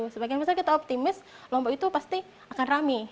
sebagian besar kita optimis lombok itu pasti akan rame